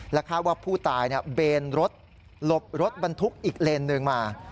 คาดว่าผู้ตายเบนรถหลบรถบรรทุกอีกเลนหนึ่งมา